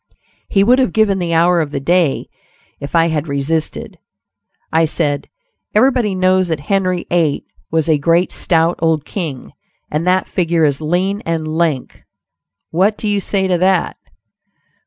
He would have given the hour of the day if I had resisted; I said, "Everybody knows that 'Henry VIII.' was a great stout old king, and that figure is lean and lank; what do you say to that?"